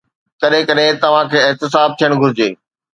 ڪڏهن ڪڏهن توهان کي احتساب ٿيڻ گهرجي.